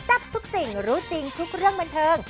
ทับทุกสิ่งรู้จริงทุกเรื่องบันเทิง